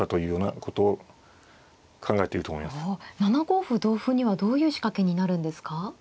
７五歩同歩にはどういう仕掛けになるんですか。